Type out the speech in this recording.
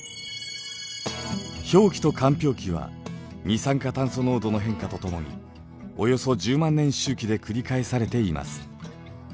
氷期と間氷期は二酸化炭素濃度の変化とともにおよそ１０万年周期で繰り返されています。